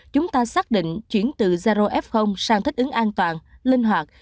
chúng ta xác định chuyển từ zaro f sang thích ứng an toàn linh hoạt